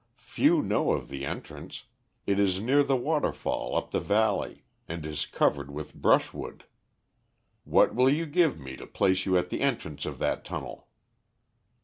Few know of the entrance; it is near the waterfall up the valley, and is covered with brushwood. What will you give me to place you at the entrance of that tunnel?"